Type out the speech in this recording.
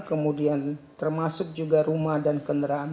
kemudian termasuk juga rumah dan kendaraan